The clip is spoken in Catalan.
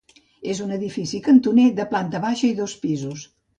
És un edifici cantoner de planta baixa i dos pisos.